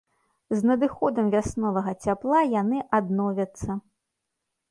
З надыходам вясновага цяпла яны адновяцца.